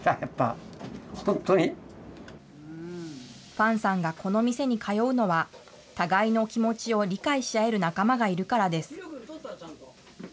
ファンさんがこの店に通うのは、互いの気持ちを理解し合える仲間がいるからです。